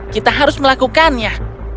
kita harus melakukannya